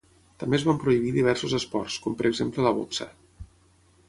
També es van prohibir diversos esports, com per exemple la boxa.